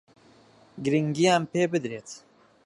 گرنگییان پێ بدرێت